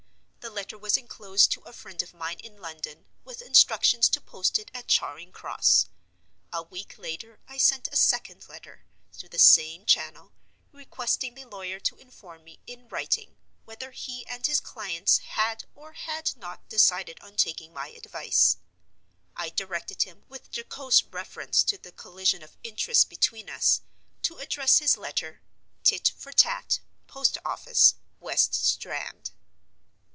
The letter was inclosed to a friend of mine in London, with instructions to post it at Charing Cross. A week later I sent a second letter, through the same channel, requesting the lawyer to inform me, in writing, whether he and his clients had or had not decided on taking my advice. I directed him, with jocose reference to the collision of interests between us, to address his letter: "Tit for Tat, Post office, West Strand."